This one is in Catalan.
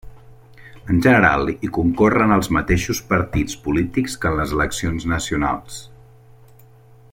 En general, hi concorren els mateixos partits polítics que en les eleccions nacionals.